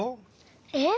えっ？